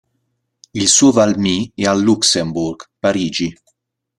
Il suo "Valmy" è al Luxembourg, Parigi.